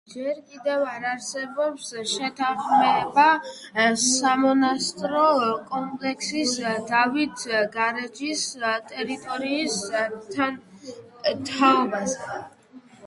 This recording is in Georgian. ჯერ კიდევ არ არსებობს შეთანხმება სამონასტრო კომპლექსის „დავით გარეჯის“ ტერიტორიის თაობაზე.